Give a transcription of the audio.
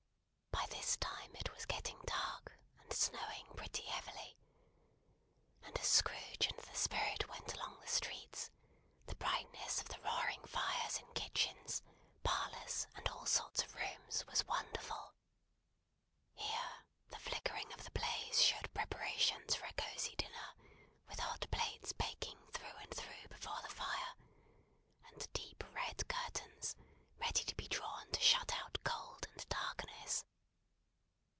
By this time it was getting dark, and snowing pretty heavily; and as Scrooge and the Spirit went along the streets, the brightness of the roaring fires in kitchens, parlours, and all sorts of rooms, was wonderful. Here, the flickering of the blaze showed preparations for a cosy dinner, with hot plates baking through and through before the fire, and deep red curtains, ready to be drawn to shut out cold and darkness.